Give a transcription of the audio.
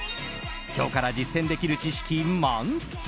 今日から実践できる知識満載。